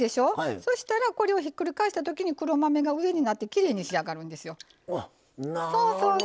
そしたらこれをひっくり返した時に黒豆が上になってきれいに仕上がるんですよ。